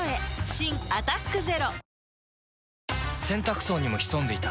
新「アタックＺＥＲＯ」洗濯槽にも潜んでいた。